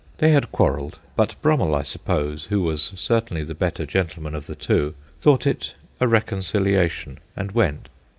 They had quarrelled, but Brummell, I suppose, who was certainly the better gentleman of the two, thought it a reconciliation and went.